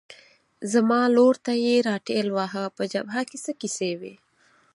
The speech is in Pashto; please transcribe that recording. زما لور ته یې را ټېل واهه، په جبهه کې څه کیسې وې؟